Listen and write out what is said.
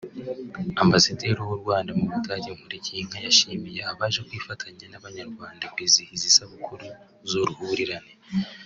Ambasaderi w’ u Rwanda mu Budage Nkulikiyinka yashimiye abaje kwifatanta n’Abanyarwanda kwizihiza isabukuru z’uruhurirane